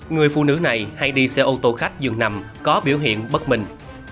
người phụ nữ này hay đi xe ô tô khách dường nằm có biểu hiện bất minh